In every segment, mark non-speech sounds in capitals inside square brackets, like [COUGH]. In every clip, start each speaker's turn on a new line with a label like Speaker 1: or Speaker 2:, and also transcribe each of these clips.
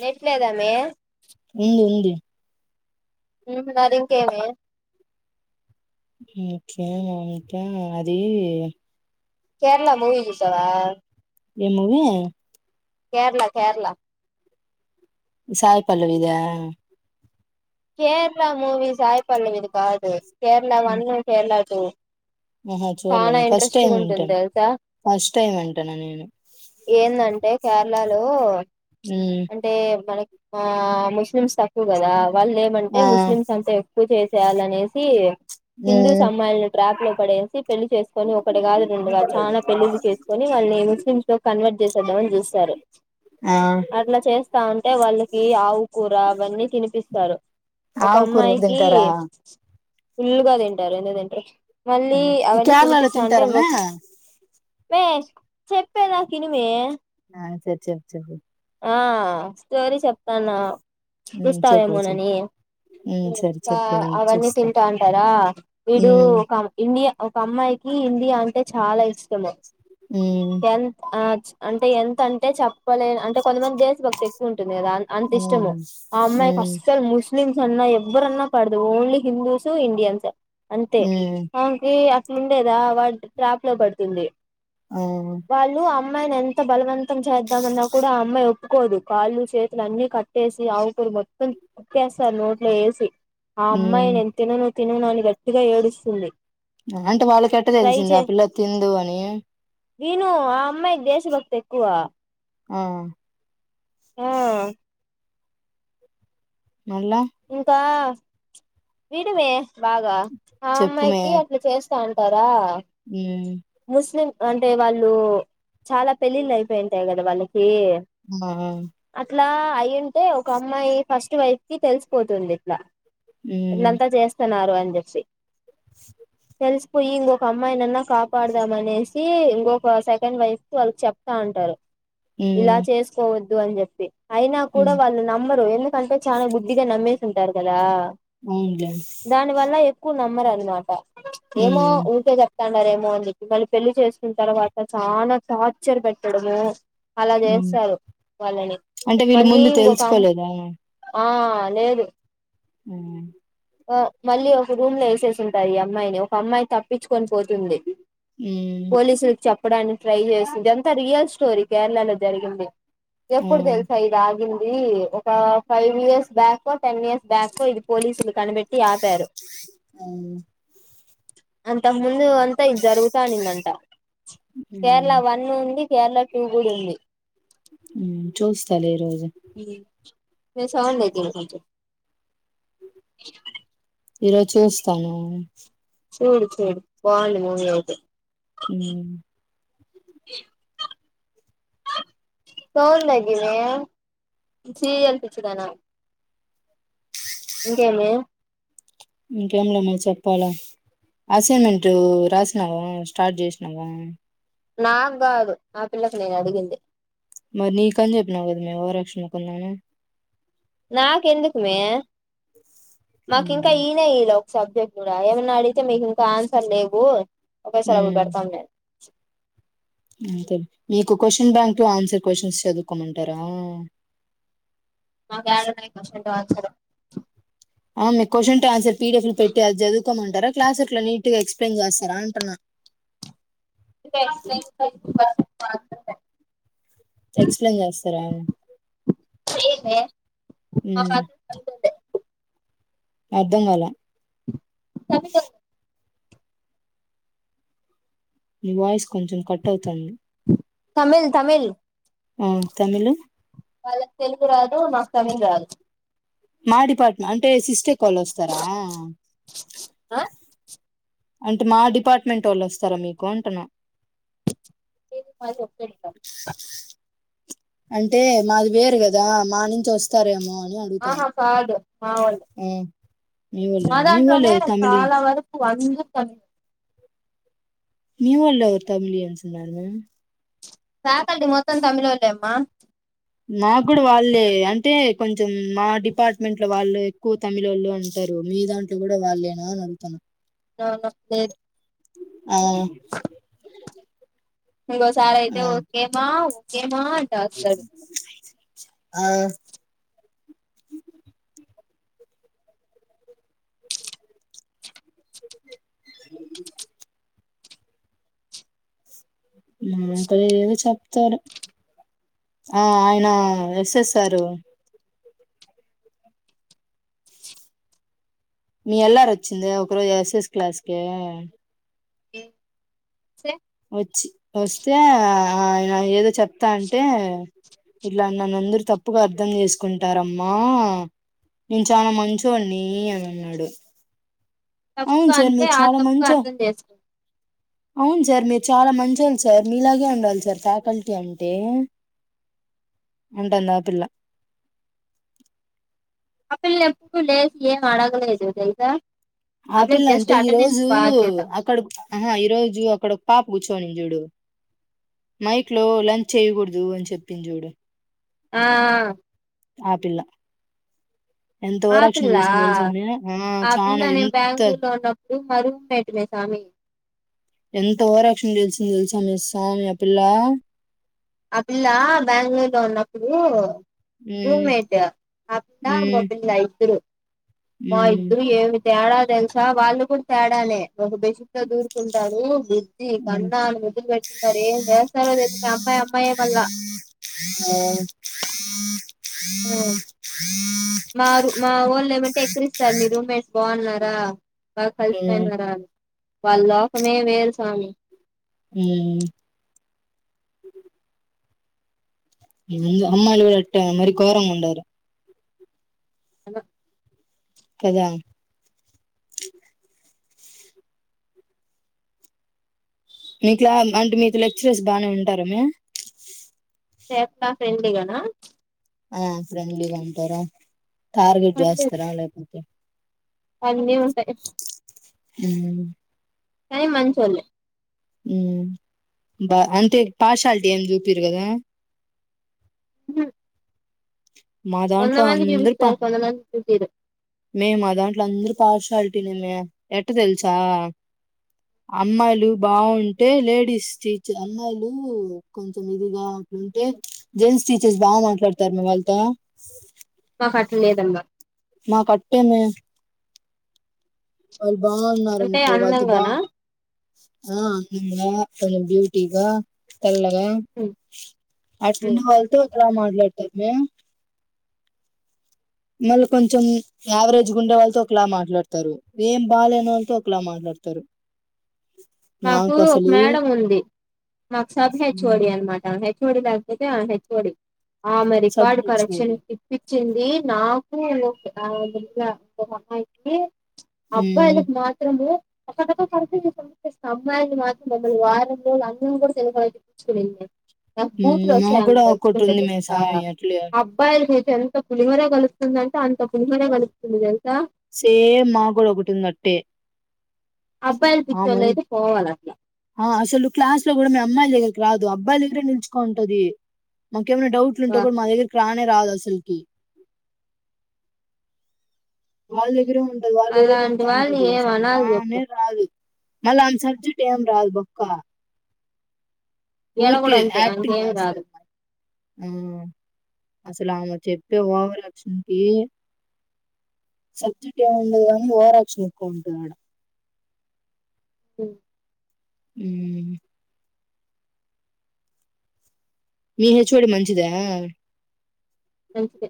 Speaker 1: Net లేదా మే
Speaker 2: ఉంది ఉంది
Speaker 1: ఉ మల్ల అదింకేమి
Speaker 2: ఇంకేమి ఇంకేమి అది
Speaker 1: కేరళ మూవీ జూసావ
Speaker 2: ఏమ్ మూవీ
Speaker 1: కేరళ కేరళ
Speaker 2: ఈ సాయి పల్లవిదా
Speaker 1: కేరళ మూవి సాయి పల్లవి ది కాదు కేరళ వన్ను కేరళ తొ
Speaker 2: ఆహా చూడలేమే ఫస్ట్ టైం ఇంటన్
Speaker 1: తెలుసా
Speaker 2: ఫస్ట్ టైం ఇంటన్న నేను
Speaker 1: లాలో
Speaker 2: ఉమ్,
Speaker 1: అంటే మనకి ఆ ముస్లిమ్స్ తక్కు గదా వాళ్ళ్ ఏమంటే
Speaker 2: ఆ
Speaker 1: ముస్లిమ్స్ అంతా ఎక్కువ చే త్యాల్లనేసి టి హిందూస్
Speaker 2: ఉమ్,
Speaker 1: అమ్మాయిలని ట్రాప్ లో పడేసి పెళ్లి చేసుకొని ఒకటి కాదు రెండు గాదు చాలా పెళ్లిళ్లు చేసుకొని వాళ్ళని ముస్లిమ్స్ తో కన్వర్ట్ చేసేద్దామని జూస్తారు
Speaker 2: ఆ
Speaker 1: అట్లా చేస్తా ఉంటే వాళ్ళకి ఆవుకూర అవన్నీ తినిపి స్తారు ఒక
Speaker 2: ఆకుకూర కూడా
Speaker 1: అమ్మాయికి
Speaker 2: తింటారా
Speaker 1: ఫుల్ గా దింటారు ఎందుకు దింట్రు
Speaker 2: ఈ క్యారళలో తింటారమె
Speaker 1: మే చెప్పే దాక ఇనిమే
Speaker 2: నాకి సెట్ చెయ్ ఒకసారి
Speaker 1: ఆ స్టోరీ చెప్తాన్న
Speaker 2: ఉమ్, చెప్పు చెప్పు
Speaker 1: చూస్తావేమోనని
Speaker 2: ఉమ్, సరే
Speaker 1: ఇంకా
Speaker 2: చెప్పు నేను
Speaker 1: అవన్నీ
Speaker 2: చూస్తా
Speaker 1: తింటంటరా వీడు
Speaker 2: ఉమ్,
Speaker 1: ఒక ఇండియన్ ఒక అమ్మాయికి ఇండియా అంటే చాల ఇష్ ష్టము
Speaker 2: ఉమ్,
Speaker 1: ఎంత ఆ అంటే ఎంతంటే చెప్పలేన్ కొంతమంది దేస్ భక్తి ఎక్కువ ఉంటుంది కదా అన్ అంత ఇష్టము
Speaker 2: ఉమ్,
Speaker 1: ఆ అమ్మాయికి
Speaker 2: ఉమ్,
Speaker 1: అస్సలు ముస్ స్లిమ్స్ అన్నా ఎవ్వరన్నా పడదు ఓన్లీ హిందూసు ఇండియన్సే అంతే
Speaker 2: ఉమ్,
Speaker 1: ఆమె కీ ఉండేదా వాడి ట్రాప్లో పడుతుంది
Speaker 2: ఆ,
Speaker 1: వాళ్ళు అమ్ అమ్మాయిని ఎంత బలవంతం చేద్దామన్నా కూడా ఆమ్ అమ్మాయి ఒప్పుకోదు కాళ్ళు చేతులు అన్ని కట్టేసి ఆవు కూర మొత్తం కుక్కేస్తారు నోట్లో వేసి ఆ అమ్మాయి
Speaker 2: ఉమ్.
Speaker 1: నేన్ తినను తిననాని గట్టిగా ఏడుస్తుంది.
Speaker 2: అంటే వాళ్ళక్ ఎట్ట
Speaker 1: ట్రై
Speaker 2: తెలిసింది
Speaker 1: చే
Speaker 2: ఆ పిల్ల తిందు అని
Speaker 1: విను ఆ అమ్మాయి దేశభక్తి ఎక్కువ
Speaker 2: ఆ
Speaker 1: ఆ
Speaker 2: మళ్ళా
Speaker 1: ఇంకా విడువే బాగా ఆ
Speaker 2: చెప్పు మే
Speaker 1: అమ్మాయికి అట్లా చేస్ అంటారా
Speaker 2: హ్మ్
Speaker 1: ముస్లిం అంటే వాళ్ళు చాలా పెళ్ళిళ్ళు అయిపోయి ఉంటాయి కదా వాళ్ళు ఏ
Speaker 2: ఆ
Speaker 1: అట్ల ఇట్లా అయ్యుంటే ఒక అమ్మాయి ఫస్ట్ వైఫ్ కి తెల్స్ పోతుంది ఇట్లా
Speaker 2: హ్మ్
Speaker 1: వీళ్ళంతా చేస్తున్నారు అని తెలిసి తెల్స్ పొయ్యి ఇంగొక అమ్మాయినన్న కాపాడదాం అనేసి ఒక సెకండ్ వైఫ్కి వాళ్ళు చెప్తా ఉంటరు. ఇలా
Speaker 2: హ్మ్
Speaker 1: చేసుకోవో వద్దు అని చెప్పి అయినా కూడా
Speaker 2: హ్మ్
Speaker 1: వాళ్ళు నమ్మరు ఎందుకంటే చాలా బు నమ్మేసి ఉంటరు కదా
Speaker 2: అవునులే
Speaker 1: దాని వల్ల ఎక్కువ నమ్ నమ్మారాన్మాట ఏమో
Speaker 2: హ్మ్
Speaker 1: ఉంటే చె న్నారేమో అందుక మళ్ళీ పెళ్లి చేసుకున్న తర్వాత చాలా టార్చర్ పెట్టడము అలా
Speaker 2: హ్మ్
Speaker 1: చేస్తారు వాళ్ళని
Speaker 2: అంటే వీళ్ళు
Speaker 1: మళ్ళీ
Speaker 2: ముందు
Speaker 1: ఇంకొక అమ్
Speaker 2: తెలుసుకోలేదా
Speaker 1: ఆ లేదు
Speaker 2: హ్మ్
Speaker 1: ఓ మళ్ళీ ఒక రూమ్ లో యెశెసి ఉంటాయి ఈ అమ్మాయిని ఒక అమ్మాయి తప్పించుకొని పోతుంది
Speaker 2: హ్మ్
Speaker 1: పోలీసుల్ చప్ చెప్పడానికి ట్రై చేసింది ఇదంతా రియల్ స్టోరీ కేరళ లో జరిగింది.
Speaker 2: ఆ
Speaker 1: ఎప్పుడు తెల్సా ఇదా ఆగిం ఇది ఒక ఫైవ్ ఇయర్స్ బ్యాకో, టెన్ ఇయర్స్ బ్యాకో ఇది పోలీసుల కనిపెట్టి ఆపారు.
Speaker 2: ఆ
Speaker 1: అంతకు ముందు అంతా ఇది జరుగుతానుందంట కేరళ
Speaker 2: హ్మ్
Speaker 1: వన్ ఉంది కేరళ ట కూడా ఉంది
Speaker 2: చూస్తలే ఈ రోజు
Speaker 1: మీ సహన్ లే కొ ఇ
Speaker 2: ఈరోజు చూస్తాను
Speaker 1: చూడు చూడు వాల మ
Speaker 2: ఆ
Speaker 1: తౌగితే జీరియల్ పిచ్చదనా ఇం ఏమ
Speaker 2: ఇంకేం లేమ్ మరి చెప్పాలా అసైన్మెంట్ రాసినావా స్టార్ట్ చేసినావా
Speaker 1: నాకు కాదు నా పిల్లలకు నేను అడిగింది
Speaker 2: మరి నీకని చెప్పినావు కదా మే ఓ రక్షణకున్నాాము
Speaker 1: నాకు ఎందుకుమే మాకి ఇంకా
Speaker 2: హ్మ్
Speaker 1: ఈయనే ఈ లో సబ్జెక్ట్ కూడా ఏమన్నా అడిగితే మీకు ఇంకా ఆన్సర్ లేవు ఒకేసారి అప్పుడు పెడతాం నేను
Speaker 2: స మీకు క్వశ్చన్ బ్యాంక్ ఆన్సర్ క్వశ్చన్స్ చదువుకోమంటారా
Speaker 1: ఏడు మ
Speaker 2: ఆ మీ క్వశ్చన్ ఆన్సర్ పీడిఎఫ్ లో పెట్టి అది చదువుకోమంటారా క్లాస్ అట్లా నీట్ గా ఎక్స్ప్లెయిన్ చేస్తారా అంటున్నా
Speaker 1: ఎక్ వా
Speaker 2: ఎక్స్ప్లెయిన్ చేస్తారా
Speaker 1: ఏ
Speaker 2: అ అర్ధం గల
Speaker 1: తమిడు
Speaker 2: వయిస్ కొంచెం కట్ అవుతుంది
Speaker 1: తమిళ్ తమిళ్
Speaker 2: తమిళ
Speaker 1: వాళ్ళకి తెలుగు రాదు నాకు తమిళ్ రాదు
Speaker 2: మా డిపార్ట్మెంట్ పేసిస్ కలుస్తారా
Speaker 1: ఆ
Speaker 2: అంటే మా డిపార్ట్మెంట్ వాళ్ళు వస్తారా మీకు అంటను
Speaker 1: ఏది మారి ఒప్పలితం
Speaker 2: అంటే మాది వేరు కదా మా నుంచి వస్తారేమో అని అడుగుతున్నా
Speaker 1: ఆహా కాదు మా వాళు
Speaker 2: ఆ, మీ వాళ్ళు
Speaker 1: మా
Speaker 2: మీ వాళ్ళు
Speaker 1: దాంట్లోనే
Speaker 2: ఎవరు తమిళ
Speaker 1: చాలా వరకు వంద కావ
Speaker 2: మీవోలు ఒక తమిళ ఉన్నారు
Speaker 1: ఫకల్టీ మొత్తం తమిళళమ్మా
Speaker 2: నా కూడా వాళ్ళే అంటే కొంచెం మా డిపార్ట్మెంట్ లో వాళ్ళు ఎక్కువ తమిళ వాళ్ళు అంటారు మీ దాంట్లో కూడా వాళ్ళేనా అని అడుగుతున్నా.
Speaker 1: ఆ లేదు
Speaker 2: ఆ
Speaker 1: ఇంకో సారి అయితే
Speaker 2: ఆ
Speaker 1: ఓకేమా ఏమ దసలు
Speaker 2: ఆ అ మా ఏద చెప్తారు ఆ ఆయన వసేసారు. మీ ఎల్ అర్ వచ్చింది ఒక రోజు ఎస్ఎస్ క్లాస్కి.
Speaker 1: సి
Speaker 2: వచ్చి వస్తే ఆయన ఏదో చెప్తా అంటే ఇట్లా నన్నుందరూ తప్పుగా అర్థం చేసుకుంటారమ్మా నేను చాలా మంచోన్నీ అని అన్నాడు. అవును
Speaker 1: తప్పుగా
Speaker 2: సార్
Speaker 1: అంటే
Speaker 2: మీరు
Speaker 1: ఆ
Speaker 2: చాలా
Speaker 1: తప్పుకు
Speaker 2: మంచో
Speaker 1: అర్థం చేసు
Speaker 2: అవును సార్ మీరు చాలా మంచోళ్ళు సార్, మీలాగే ఉండాలి సార్ ఫ్యాకల్టీ అంటే. అంటాందా పిల్ల
Speaker 1: ఆపిల్ల ఎప్పుడు లేస్ ఏం అ డగ లేదు తెలుసా ఆ పిల్ల
Speaker 2: ఆపిల్ల
Speaker 1: జస్ట్
Speaker 2: అంతే ఈ
Speaker 1: అటెండెన్స్
Speaker 2: రోజు,
Speaker 1: బాధ్యత
Speaker 2: అక్కడ అహ ఈరోజు అక్కడ పాప్ కూర్చోని జూడు, మైక్ లో లంచ్ చేయ్యకూడదు అని చెప్పింది జూడు
Speaker 1: ఆ
Speaker 2: ఆపిల్ల ఎంత
Speaker 1: ఆ
Speaker 2: ఓవరాక్షన్
Speaker 1: పిల్ల
Speaker 2: చేసింది తెలుసామే, ఆ చానా ఎంత
Speaker 1: ఇ మారూమేట్ మే సామి
Speaker 2: ఎంత ఓవరాక్షన్ జేసింది తెలుసా మే స్సామి ఆ పిల్లా
Speaker 1: ఆ పిల్లా బ్యాంగ్ళూరు లో ఉన్నప్పుడూ
Speaker 2: మ్మ్
Speaker 1: రూమ్మేట్ ఆపిల్ల ఇంగో
Speaker 2: మ్మ్
Speaker 1: పిల్ల ఇద్దరూ, మా
Speaker 2: మ్మ్
Speaker 1: ఇద్దరూ ఏమ్ తేడా తెలుసా వాళ్ళు కూడా తేడానే. ఒక బిసిట్తో దూరుకుంటారు బుద్ధి
Speaker 2: మ్మ్
Speaker 1: కన్నాని ముద్దు పెట్టుకుంటారు ఏం చేస్తారో తెలియదు.
Speaker 2: ఆ ఆ [UNINTELLIGIBLE]
Speaker 1: హ మా మా ఓన్ లో ఏమంటే ఎక్రిస్తారు మీ రూమ్మేట్స్ బాగున్నారా. ఆ బాగా
Speaker 2: మ్మ్
Speaker 1: కలిసిపోయారా వాళ్ళ లోకమే వేరు స్వామి.
Speaker 2: ఆ అమ్మలు అట్ట మరి గోరంగా వుండరు
Speaker 1: అన్న
Speaker 2: కదా మీకులా అంటే మీకు లెక్చరర్స్ బానే ఉంటార మే.
Speaker 1: సేఫలా ఫ్రెండ్లీగనా.
Speaker 2: ఆ ఫ్రెండ్లీగాంటార టార్గెట్ చేస్తారా లేకపో
Speaker 1: అన్ని ఉండాయి
Speaker 2: అ
Speaker 1: కానీ మంచిఓల్
Speaker 2: అంటే పార్షాలిటీ ఏమి చూపిరు కదా. మా దాంట్లో అందరూ ప
Speaker 1: ఉండేది
Speaker 2: మే మాదాంట్లో అందరు పార్షాలిటీనేమే ఎట్ట తెలుసా అమ్మాయిలు బావుంటే లేడీస్ టీచ్ అమ్మాయిలు కొంచెం ఇదిగా అట్లుంటే జెంట్స్ టీచర్స్ బా మాట్లాడతారు మే వాళ్ళతో
Speaker 1: పట్లేదమ్మా
Speaker 2: మ కట్టేమె. వాళ్ల్
Speaker 1: అంటే
Speaker 2: బాగున్నారన్కో వాళ్తో బా.
Speaker 1: అందంగానా
Speaker 2: ఆ అం [UNINTELLIGIBLE] గా కొంచెం బ్యూటీగా. తెల్లగా ఎలా మాట్లాడ్తార్ మే. మళ్ కొంచెం యావరేజ్గుండే వాళ్తొ ఒక్లా మాట్లాడ్తరు ఏం బాలేనోళ్తో ఒకలా మాట్లాడ్తరు.
Speaker 1: మాకు ఒక మ్యాడంముంది మాక్ సబ్ హెచ్ఓడి అన్మాట హెచ్. ఓడి ల్యాక్పోతే ఆ హెచ్ ఓడి. ఆమె
Speaker 2: సబ్
Speaker 1: రికార్డ్ కరెక్షన్
Speaker 2: నచ్చదు
Speaker 1: తిప్పి. చింది నాకు ఇంగొక ఆ ఒక అమ్మాయ్కి.
Speaker 2: ఉమ్,
Speaker 1: అబ్బాయ్లకి మాత్రము. తరతరములకు కలెక్షన్ జేస్తాంది. [UNINTELLIGIBLE] అమ్మాయ్ల్ని మాత్రం మమ్మల్ని వారం రోజులు అన్ని. [UNINTELLIGIBLE] నాక్
Speaker 2: ఉమ్, మా
Speaker 1: బూతులోస్తాయ్
Speaker 2: కూడా
Speaker 1: ఆమెన్
Speaker 2: ఒకటి
Speaker 1: తల్చుకుంటె
Speaker 2: ఉంది మే
Speaker 1: తెల్సా
Speaker 2: సామి అట్లే
Speaker 1: అబ్బాయ్ల్కై ఎంత పులిహోర గలుప్తుందంటే అంత పులిహోర గలుప్తుంది దె.
Speaker 2: సేమ్ మాగ్గూడొకటుందట్టె.
Speaker 1: అబ్బాయిలు
Speaker 2: ఆ
Speaker 1: పిచ్చోళ్ళు
Speaker 2: మొయ్
Speaker 1: అయితే పోవాలి అట్లా
Speaker 2: ఆ అసలు క్లాస్లో గుడ మే అమ్మాయ్ల్. రాదు అబ్బాయ్ల్ దగ్గరే నిల్చుకోంటది మాక్. కేమన్న డౌట్లుంటె గూడ మా దగ్గర్కి రాన్. నెరాదసల్కి. వాళ్దె దగ్గరే ఉంటది వాళ్ దగ్రే
Speaker 1: అలాంటి వాళ్ళని
Speaker 2: తిరుగుతాంటది
Speaker 1: ఏం
Speaker 2: అసల్
Speaker 1: అనాలి చెప్పు
Speaker 2: రానే రాదు. మల్ల ఆమ్ సబ్జెక్టేం రాద్ బొక్క.
Speaker 1: ఈడ కూడా అంతే
Speaker 2: ఊర్కేయాక్టింగ్
Speaker 1: అంకేమి
Speaker 2: జేస్
Speaker 1: రాదు
Speaker 2: [UNINTELLIGIBLE] ఉమ్ అసలామె చెప్పే ఓవరాక్షన్కి సబ్జెక్టేముండద్ గాని ఓవరాక్షన్ ఎక్కువ ఉంటుదాడ.
Speaker 1: ఉమ్
Speaker 2: ఊమ్. మీ హెచ్వోడి మంచిదేనా.
Speaker 1: మంచిదే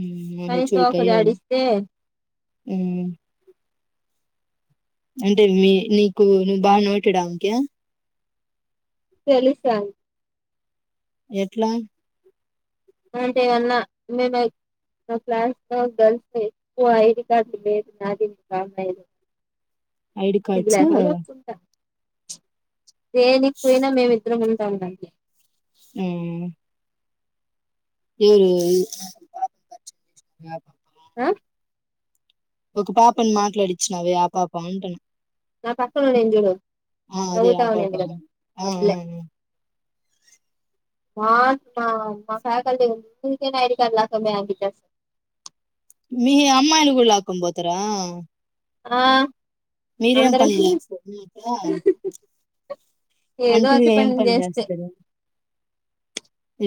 Speaker 2: ఉమ్ మా
Speaker 1: కానీ తోక
Speaker 2: హెచ్వోడి [UNINTELLIGIBLE]
Speaker 1: జాడిస్తే
Speaker 2: ఉమ్. అంటె మీ నీకు నువ్ బాగ నోటెడామ్కి.
Speaker 1: తెలుస
Speaker 2: ఎట్లా.
Speaker 1: అంటే వన్న మె బైక్ మ క్లాస్లో గర్ల్సెక్కువ ఐడికార్డు లేదు నాది. [UNINTELLIGIBLE]
Speaker 2: ID cards.
Speaker 1: చ్ దేనిక్పొయిన మేమిద్దరము. అవునండీ
Speaker 2: ఉమ్ [UNINTELLIGIBLE]
Speaker 1: ఆ?
Speaker 2: ఒక పాప మాట్లాడిచ్చినవ ఆ పాప ఆటున
Speaker 1: నా పక్కన నజూడ
Speaker 2: ఆ అదే అప్పాప్పా ఆ
Speaker 1: అప్పుడే
Speaker 2: ఆ
Speaker 1: మా మా ఫ్యాకల్న్ ఐడి కార్డు లాకమ అట్ట స [UNINTELLIGIBLE]
Speaker 2: మీ అమ్మాయిలు కూడా లాక్కని పోతారా
Speaker 1: ఆ
Speaker 2: మీరేం
Speaker 1: అందరం
Speaker 2: పనులు చేస్తారు అంత
Speaker 1: [INAUDIBLE] ఏదో ఒటీ పని చేస్తే
Speaker 2: చేస్తారు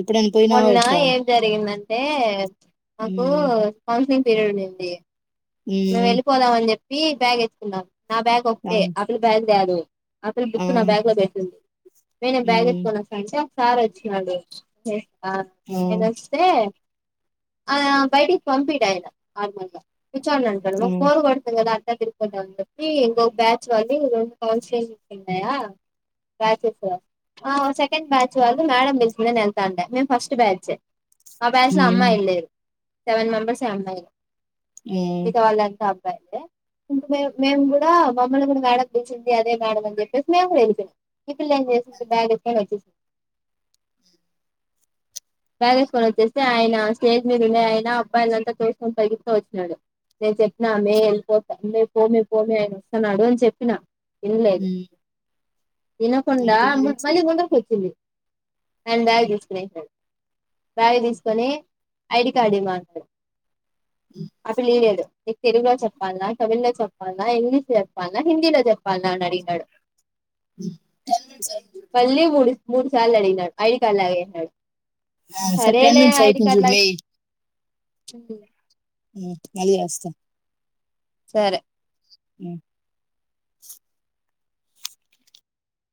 Speaker 2: ఎప్పుడైనా పోయినావా
Speaker 1: మొన్న
Speaker 2: ఎట్ట
Speaker 1: ఏం జరిగిందంటే మాకు
Speaker 2: మ్మ్
Speaker 1: పేరునుంది మేము
Speaker 2: మ్మ్
Speaker 1: వెళ్ళిపోదామ అని చెప్పి బి బ్యాగ్ ఎత్తుకున్నాం నా బ్యాగ్ ఒకటే ఆ పిల్ల బ్యాగ్ తే దు ఆ పిల్ల బుక్ నా బ్యాగ్ లో పెట్టింది నేనే బ్యాగ్
Speaker 2: మ్మ్
Speaker 1: ఎత్తుకొని వస్తా అంటే సర్ వచ్చినాడు ఏ హ
Speaker 2: ఆ
Speaker 1: నేను వస్తే ఆ బయటి పంపీడయన నార్మల్ గా చ అంటాడు
Speaker 2: ఆ
Speaker 1: బోరుగుడుతుంది కదా ఎ తిరుకుంటాంని చెప్పి ఇంకొక బ్యాచ్ వాళ్ళు రెండు కౌన్సిలి ఉన్నాయా బ్యాచెస్ ఆ సెకండ్ బ్యాచ్ వాళ్ళు మేడం పిలిసింద ఎంత అంటే మేము ఫస్ట్ బ్యాచ్ ఆ బ్యాచ్ లో
Speaker 2: మ్మ్
Speaker 1: అమ్మాయిలు లేరు సెవెన్ మెంబర్స్ ఎ అమ్మాయిలు
Speaker 2: మ్మ్
Speaker 1: మిగతావాలంతా ఇంకా మే మేము కూడా మమ్మల్ని కూడా మేడం పిలిసింది అదే మేడం అని చెప్పేసి మేము కూడా వెళ్లిపోయినమ్ ఈ పిల్ల ఏం చేసింది బ్యాగ్ ఎత్తుకొని వచ్చేసింది బ్యాగేస్కని వచ్చేస్తే ఆయన స్టేజ్ మీద ఉండే ఆయన అబ్బాయిలంతా చూసుకొని పరుగెత్తుకొని వచ్చినాడు నేను చెప్ నా మేల్పోత అ పోమే పోమే ఆయన వస్తానుడు అని చెప్పిన ఈనాలేదు
Speaker 2: మ్మ్ ఈ
Speaker 1: వినకుండా
Speaker 2: టెన్ మినిట్స్
Speaker 1: మళ్ళీ ముందరికోచ్చింది. హ్యాండ్
Speaker 2: మ్మ్
Speaker 1: బ్యాగెసుకుని వెల్పొయాడు. బ్యాగ్ తీసుకొని ఐడి కార్డు ఇమ్మంటడు.
Speaker 2: మ్
Speaker 1: ఇప్పుడ్ లీయేడు నిక్ తెలుగు లో చెప్పాల్నా తమిళ్ లో చెప్పాల్నా ఇంగ్లీష్ లో చెప్పాల్నా హిందీలో చెప్పాల్నా అని అడిగినాడు.
Speaker 2: ఉ టెన్ మినిట్స్ అయింది జుడు
Speaker 1: మళ్ళీ మూడు మూడు సార్లు అడిగినడు ఐడి కార్డ్ లాగేసినాడు.
Speaker 2: ఆ సర్ టెన్మిట్స్ అయితుంది చూడ్వే
Speaker 1: ఉమ్
Speaker 2: ఉ మళ్ళి వస్త
Speaker 1: సరే
Speaker 2: ఉ